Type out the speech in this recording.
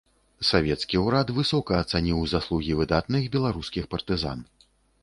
Савецкі ўрад высока ацаніў заслугі выдатных беларускіх партызан.